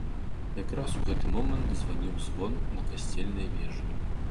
Якраз у гэты момант званіў звон на касцельнай вежы.